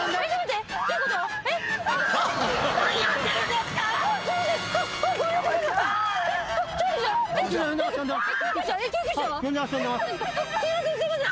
すいませんすいません。